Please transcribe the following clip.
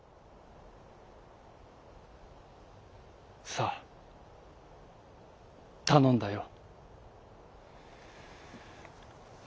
「さあたのんだよ」。